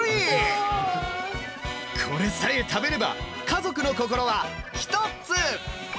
これさえ食べれば家族の心は一つ！